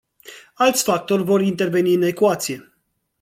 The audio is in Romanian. Alți factori vor interveni în ecuație.